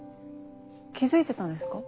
気付いてたんですか？